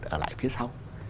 ở lại phía sau